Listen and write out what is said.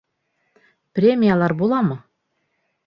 Премиялар буламы?